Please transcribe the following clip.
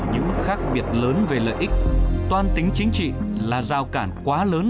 những khác biệt lớn về lợi ích toan tính chính trị là giao cản quá lớn